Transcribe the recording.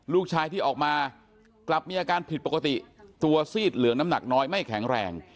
ลูกชายที่ออกมากลับมีอาการผิดปกติตัวซีดเหลืองน้ำหนักน้อยไม่แข็งแรง